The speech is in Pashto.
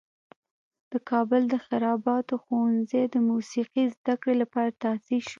د کابل د خراباتو ښوونځی د موسیقي زده کړې لپاره تاسیس شو.